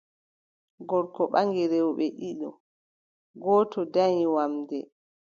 Gorko ɓaŋgi rewɓe ɗiɗi, gooto danyi wamnde,